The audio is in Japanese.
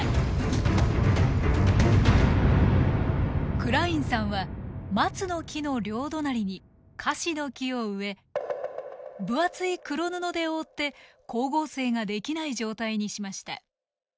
クラインさんはマツの木の両隣にカシノキを植え分厚い黒布で覆って光合成ができない状態にしました。